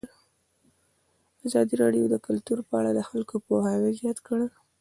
ازادي راډیو د کلتور په اړه د خلکو پوهاوی زیات کړی.